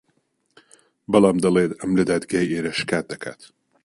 بەڵام دەڵێت ئەم لە دادگای ئێرە شکات دەکات